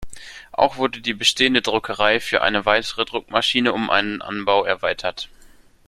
Auch wurde die bestehende Druckerei für eine weitere Druckmaschine um einen Anbau erweitert.